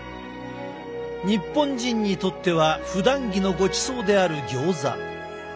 日本人にとってはふだん着のごちそうであるギョーザ。